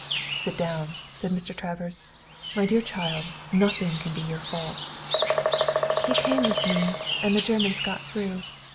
"Sit down," said Mr. Travers. "My dear child, nothing can be your fault." "He came with me, and the Germans got through.